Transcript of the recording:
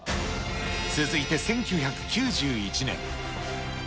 続いて１９９１年。